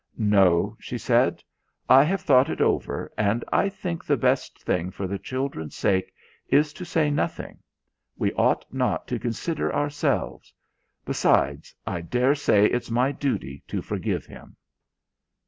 "No," she said. "I have thought it over, and I think the best thing, for the children's sake, is to say nothing. We ought not to consider ourselves. Besides, I dare say it's my duty to forgive him."